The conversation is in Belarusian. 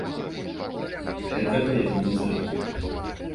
Гэтага яны не зрабілі.